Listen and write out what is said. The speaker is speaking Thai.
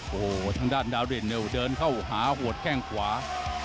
โหทางด้านดาวเรนเดินเข้าหาโหดแก้งขวา